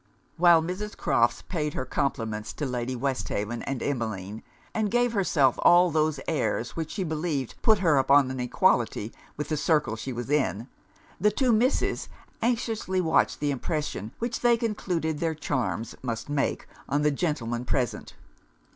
While Mrs. Crofts paid her compliments to Lady Westhaven and Emmeline, and gave herself all those airs which she believed put her upon an equality with the circle she was in, the two Misses anxiously watched the impression which they concluded their charms must make on the gentlemen present.